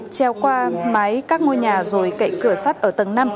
treo qua mái các ngôi nhà rồi cậy cửa sắt ở tầng năm